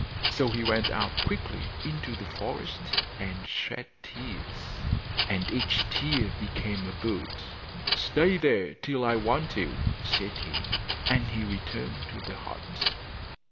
So he went out quickly into the forest and shed tears, and each tear became a bird. 'Stay there till I want you,' said he; and he returned to the hut.